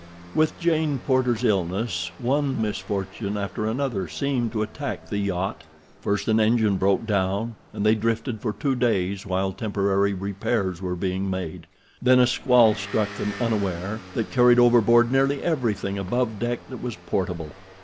With Jane Porter's illness one misfortune after another seemed to attack the yacht. First an engine broke down, and they drifted for two days while temporary repairs were being made. Then a squall struck them unaware, that carried overboard nearly everything above deck that was portable.